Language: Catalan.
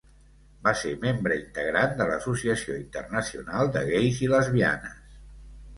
Va ser membre integrant de l'Associació Internacional de Gais i Lesbianes.